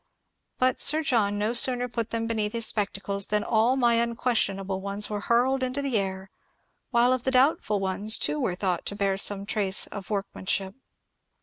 But Sir John no sooner put them beneath his spectacles than all my imquestionable ones were hurled into the air, while of the doubtful ones two were thought to bear^ some trace of work manship.